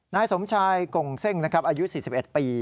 นายสมชายกงเซ่งอายุ๔๑ปี